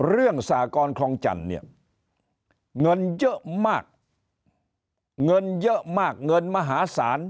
สากรคลองจันทร์เนี่ยเงินเยอะมากเงินเยอะมากเงินมหาศาล